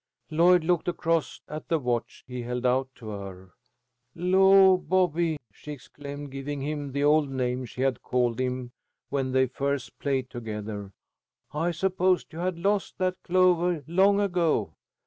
Lloyd looked across at the watch he held out to her. "Law, Bobby," she exclaimed, giving him the old name she had called him when they first played together, "I supposed you had lost that clovah long ago."